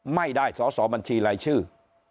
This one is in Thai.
ไม่ได้สอสอบัญชีรายชื่อ